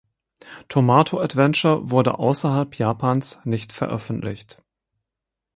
Tomato Adventure wurde außerhalb Japans nicht veröffentlicht.